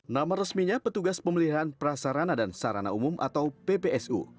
nama resminya petugas pemeliharaan prasarana dan sarana umum atau ppsu